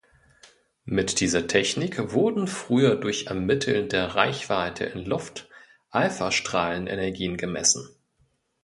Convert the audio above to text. Mit dieser Technik wurden früher durch Ermitteln der Reichweite in Luft Alphastrahlen-Energien gemessen.